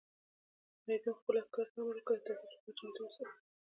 رئیس جمهور خپلو عسکرو ته امر وکړ؛ د تفتیش لپاره چمتو اوسئ!